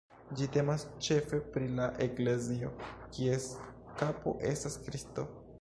Ĝi temas ĉefe pri la eklezio, kies kapo estas Kristo.